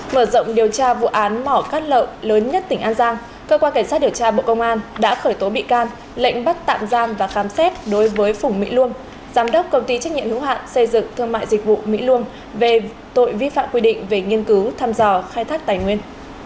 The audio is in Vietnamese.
mở rộng điều tra vụ án mỏ cát lợn lớn nhất tỉnh an giang cơ quan cảnh sát điều tra bộ công an đã khởi tố bị can lệnh bắt tạm giam và khám xét đối với phùng mỹ luông giám đốc công ty trách nhiệm hữu hạn xây dựng thương mại dịch vụ mỹ luông về tội vi phạm quy định về nghiên cứu thăm dò khai thác tài nguyên